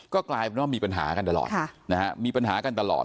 ก็กลายเป็นว่ามีปัญหากันตลอดมีปัญหากันตลอด